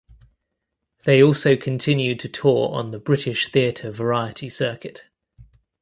They also continued to tour on the British theatre variety circuit.